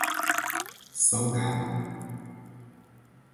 Salgado